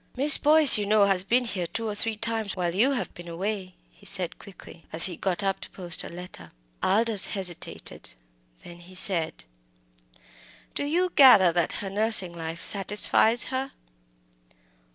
"Miss Boyce, you know, has been here two or three times while you have been away," he said quickly, as he got up to post a letter. Aldous hesitated; then he said "Do you gather that her nursing life satisfies her?"